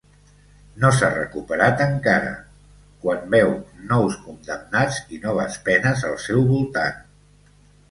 No s'ha recuperat encara, quan veu nous condemnats i noves penes al seu voltant.